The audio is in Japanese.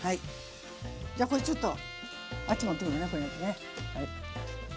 じゃこれちょっとあっち持ってこうやってね。